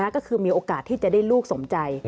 ก็คือมีโอกาสที่จะได้ลูกสมใจ